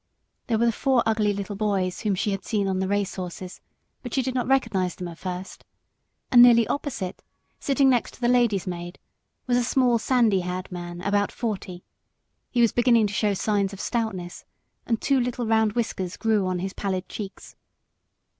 There were the four ugly little boys whom she had seen on the race horses, but she did not recognize them at first, and nearly opposite, sitting next to the lady's maid, was a small, sandy haired man about forty: he was beginning to show signs of stoutness, and two little round whiskers grew out of his pallid cheeks.